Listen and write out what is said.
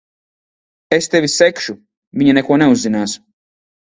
Es tevi segšu. Viņa neko neuzzinās.